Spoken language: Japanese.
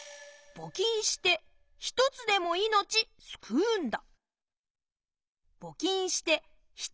「ぼきんして１つでも命すくうんだ」。